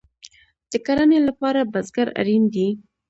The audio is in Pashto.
د کرنې لپاره بزګر اړین دی